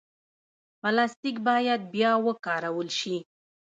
پلاستيک باید بیا وکارول شي.